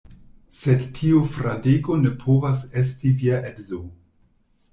Sed tiu Fradeko ne povas esti via edzo.